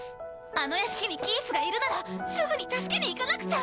あの屋敷にキースがいるならすぐに助けに行かなくちゃ！